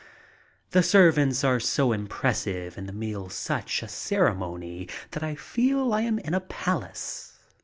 The servants are so impressive and the meal such a cere mony that I feel that I am in a palace.